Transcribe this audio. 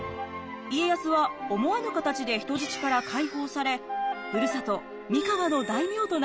家康は思わぬ形で人質から解放されふるさと三河の大名となったのです。